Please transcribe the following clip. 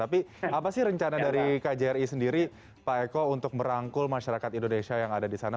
tapi apa sih rencana dari kjri sendiri pak eko untuk merangkul masyarakat indonesia yang ada di sana